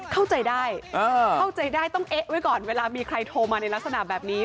เข้าใจได้เข้าใจได้ต้องเอ๊ะไว้ก่อนเวลามีใครโทรมาในลักษณะแบบนี้